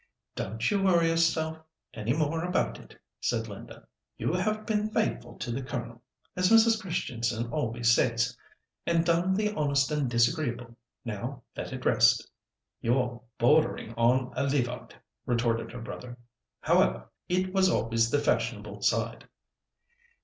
"Don't you worry yourself any more about it," said Linda. "You have been 'faithful' to the Colonel—as Mrs. Christianson always says—and done the honest and disagreeable. Now let it rest." "You're bordering on a Levite," retorted her brother. "However, it was always the fashionable side."